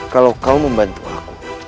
kalau kau membantu aku